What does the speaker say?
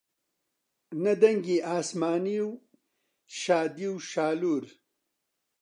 نە دەنگی ئاسمانی و شادیی شالوور